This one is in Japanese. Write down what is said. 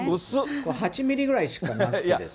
これ８ミリぐらいしかなくてですね。